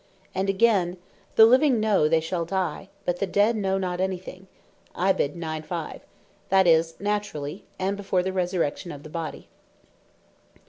And againe,(Chapt. 9.5.) "The living know they shall die, but the dead know not any thing;" that is, Naturally, and before the resurrection of the body.